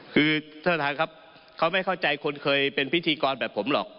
คือท่านประธานครับเขาไม่เข้าใจคนเคยเป็นพิธีกรแบบผมหรอก